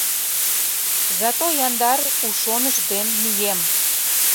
Зато яндар, у шоныш ден мием.